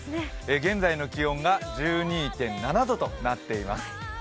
現在の気温が１２．７度となっています。